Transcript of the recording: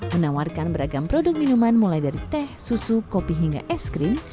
menawarkan beragam produk minuman mulai dari teh susu kopi hingga es krim